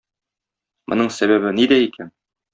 Моның сәбәбе нидә икән?